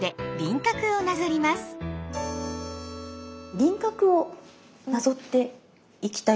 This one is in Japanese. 輪郭をなぞっていきたいと思います。